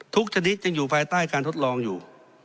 ชนิดยังอยู่ภายใต้การทดลองอยู่